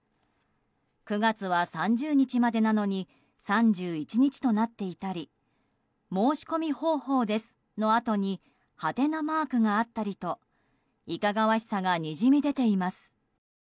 ９月は３０日までなのに３１日となっていたり「申し込み方法です」のあとに「？」マークがあったりといかがわしさがにじみ出ています。